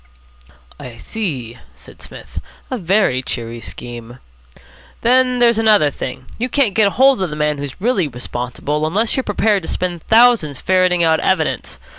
"I see," said Psmith. "A very cheery scheme." "Then there's another thing. You can't get hold of the man who's really responsible, unless you're prepared to spend thousands ferreting out evidence.